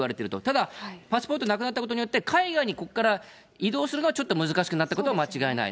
ただ、パスポートなくなったことによって、海外にここから移動するのは、ちょっと難しくなったことは間違いない。